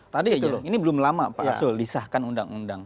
tadi ini belum lama pak arsul disahkan undang undang